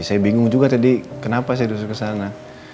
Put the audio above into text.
saya bingung juga tadi kenapa saya duduk ke sana